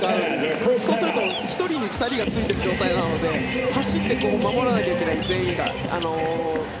そうすると１人に２人がついている状態なので走って守らなきゃいけない全員が。